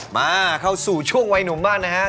มาเข้าสู่ช่วงวัยหนุ่มบ้างนะฮะ